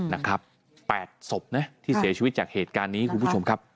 นะครับ๘ศพนะที่เสียชีวิตจากเหตุการณ์นี้คุณผู้ชมครับ